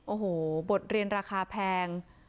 โอ้โหบทเรียนราคาแพง